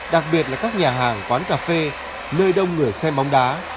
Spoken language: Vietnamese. đặc biệt là các nhà hàng quán cà phê nơi đông người xem bóng đá